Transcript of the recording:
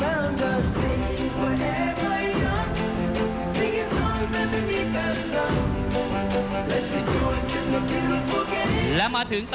ท่านแรกครับจันทรุ่ม